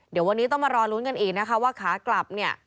เดี๋ยววันนี้ต้องมารอลุ้นกันอีกนะคะว่าขากลับเนี่ย